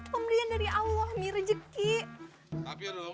pembelian dari allah mi rezeki